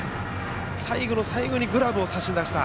最後の最後にグラブを差し出した。